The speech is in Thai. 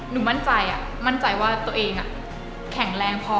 มั่นใจมั่นใจว่าตัวเองแข็งแรงพอ